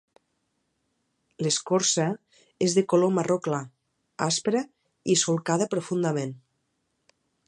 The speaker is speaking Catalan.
L'escorça és de color marró clar, aspra i solcada profundament.